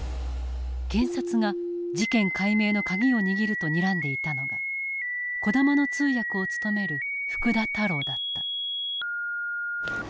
検察が事件解明の鍵を握るとにらんでいたのが児玉の通訳を務める福田太郎だった。